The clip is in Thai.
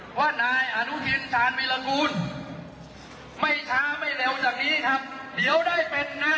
หัวหน้าที่กรุงเทพเนี่ยมาร่วมเสริมทัพด้วยนะครับก็มั่นใจว่าคนกรุงเทพเห็นผลงานของพักแล้ว